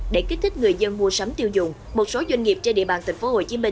để kích thích người dân mua sắm tiêu dùng một số doanh nghiệp trên địa bàn tp hcm